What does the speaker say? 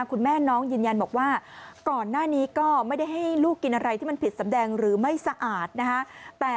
คุณแม่น้องยืนยันบอกว่าก่อนหน้านี้ก็ไม่ได้ให้ลูกกินอะไรที่มันผิดสำแดงหรือไม่สะอาดนะคะ